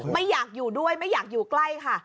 ไม่อยากอยู่ด้วยไม่อยากอยู่ใกล้ค่ะ